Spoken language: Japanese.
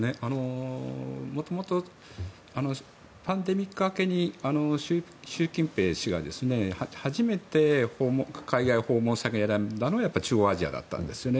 もともとパンデミック明けに習近平氏が初めて海外訪問先に選んだのはやっぱり中央アジアだったんですよね。